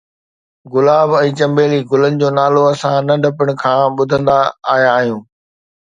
گلاب ۽ چنبيلي گلن جو نالو اسان ننڍپڻ کان ٻڌندا آيا آهيون